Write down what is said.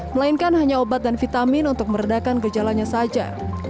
melainkan hanya obat dan vitamin untuk meredakan gejalanya saja